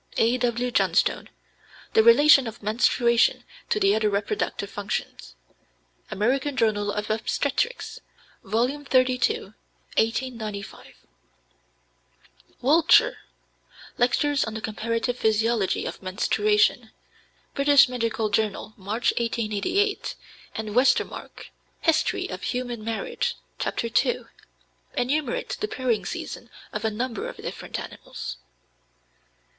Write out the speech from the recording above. (A.W. Johnstone, "The Relation of Menstruation to the other Reproductive Functions," American Journal of Obstetrics, vol. xxxii, 1895.) Wiltshire ("Lectures on the Comparative Physiology of Menstruation," British Medical Journal, March, 1888) and Westermarck (History of Human Marriage, Chapter II) enumerate the pairing season of a number of different animals.